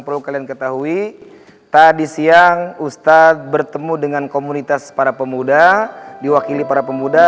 perlu kalian ketahui tadi siang ustadz bertemu dengan komunitas para pemuda diwakili para pemuda